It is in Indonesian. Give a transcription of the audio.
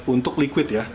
untuk liquid ya